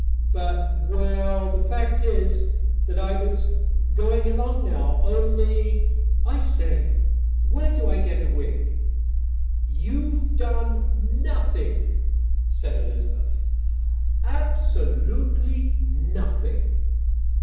But well, the fact is that I was just going along now, only I say, where do I get a wig?" "You've done nothing," said Elizabeth, "absolutely nothing."